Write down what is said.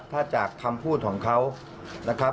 ถ้าจากคำพูดของเขานะครับ